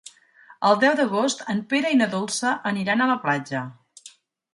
El deu d'agost en Pere i na Dolça aniran a la platja.